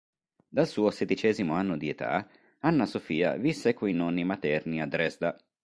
Dal suo sedicesimo anno di età Anna Sofia visse coi nonni materni a Dresda.